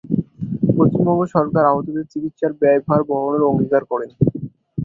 পশ্চিমবঙ্গ সরকার আহতদের চিকিৎসার ব্যয়ভার বহনের অঙ্গীকার করেন।